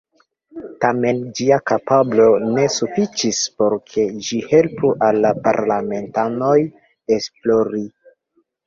Tamen ĝia kapablo ne sufiĉis por ke ĝi helpu al parlamentanoj esplori.